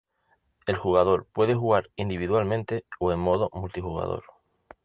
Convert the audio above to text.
El jugador puede jugar individualmente o en modo multijugador.